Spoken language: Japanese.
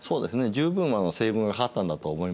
十分西軍が勝ったんだと思いますね。